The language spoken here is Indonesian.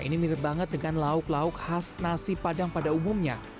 ini mirip banget dengan lauk lauk khas nasi padang pada umumnya